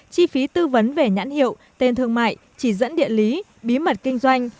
chi phí tư vấn về nhãn hiệu tên thương mại chỉ dẫn địa lý bí mật kinh doanh